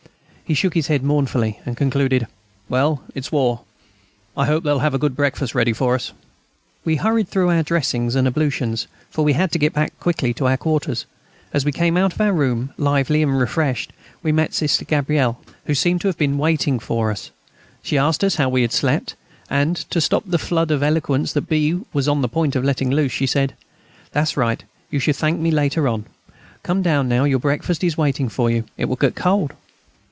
He shook his head mournfully, and concluded: "Well, ... it's war.... I hope they'll have a good breakfast ready for us." We hurried through our dressing and ablutions, for we had to get back quickly to our quarters. As we came out of our room, lively and refreshed, we met Sister Gabrielle, who seemed to have been waiting for us. She asked us how we had slept, and, to stop the flood of eloquence that B. was on the point of letting loose, she said: "That's right. You shall thank me later on. Come down now; your breakfast is waiting for you. It will get cold."